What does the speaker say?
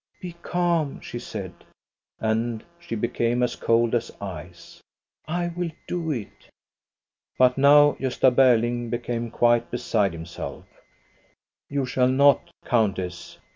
" Be calm," she said. And she became as cold as ice. " I will do it." But now Gosta Berling became quite beside himself, "You shall not, countess!